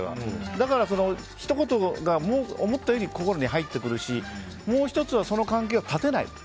だから、ひと言が思ったより心に入ってくるしもう１つはその関係を断てない。